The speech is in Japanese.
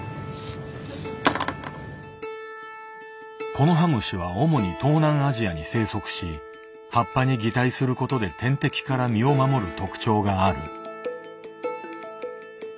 コノハムシは主に東南アジアに生息し葉っぱに擬態することで天敵から身を守る特徴がある。